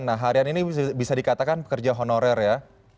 nah harian ini bisa dikatakan pekerja honorer ya